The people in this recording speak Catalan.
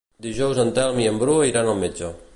Dijous en Telm i en Bru iran al metge.